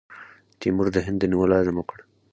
تیمور د هند د نیولو عزم وکړ.